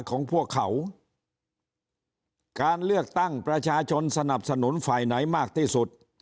ของพวกเขาการเลือกตั้งประชาชนสนับสนุนฝ่ายไหนมากที่สุด